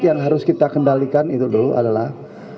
yang harus kita kendalikan itu dulu adalah